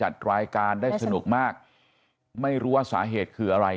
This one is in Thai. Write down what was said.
ได้สนุกมากไม่รู้ว่าสาเหตุคืออะไร